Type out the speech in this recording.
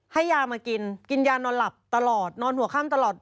ให้ยามากินกินยานอนหลับตลอดนอนหัวข้ามตลอด